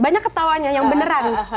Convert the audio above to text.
banyak ketawanya yang beneran